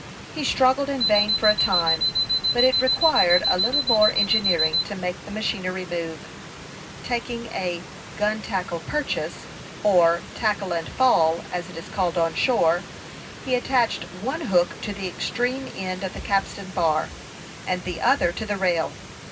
He struggled in vain for a time; but it required a little more engineering to make the machinery move. Taking a "gun tackle purchase," or "tackle and fall," as it is called on shore, he attached one hook to the extreme end of the capstan bar, and the other to the rail.